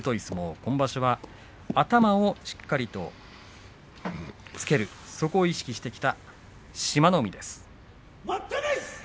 今場所は頭をしっかりとつけるそこを意識してきた志摩ノ海です。